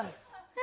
え！